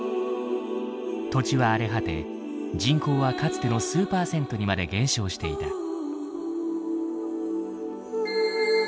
土地は荒れ果て人口はかつての数パーセントにまで減少していた。